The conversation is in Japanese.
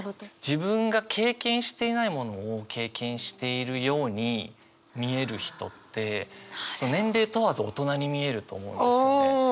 自分が経験していないものを経験しているように見える人って年齢問わず大人に見えると思うんですよね。